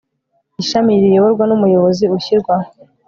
ishami riyoborwa n umuyobozi ushyirwaho